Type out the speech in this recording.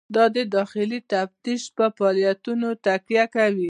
دا د داخلي تفتیش په فعالیتونو تکیه کوي.